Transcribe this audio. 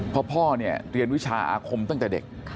เพราะพ่อเนี่ยเรียนวิชาอาคมตั้งแต่เด็ก